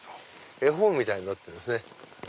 絵本みたいになってるんですね。